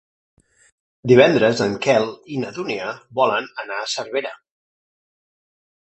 Divendres en Quel i na Dúnia volen anar a Cervera.